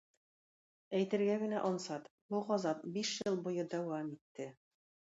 Әйтергә генә ансат: бу газап биш ел буе дәвам итте.